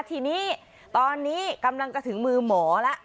ทีนี้ตอนนี้กำลังจะถึงมือหมอแล้ว